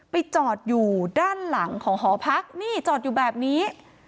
ไปจอดอยู่ด้านหลังของหอพักนี่จอดอยู่แบบนี้